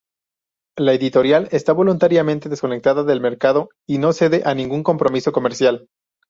La editorial está voluntariamente desconectada del mercado y no cede a ningún compromiso comercial.